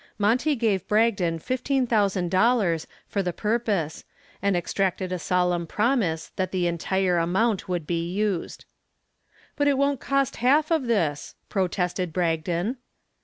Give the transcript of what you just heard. Monty gave Bragdon fifteen thousand dollars for the purpose and extracted a solemn promise that the entire amount would be used. "But it won't cost half of this," protested Bragdon.